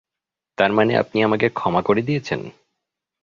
তারমানে আপনি আমাকে ক্ষমা করে দিয়েছেন?